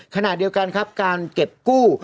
ขณะเดียวกันครับการเก็บกู้